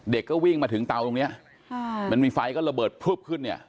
ก็วิ่งมาถึงเตาตรงเนี้ยค่ะมันมีไฟก็ระเบิดพลึบขึ้นเนี่ย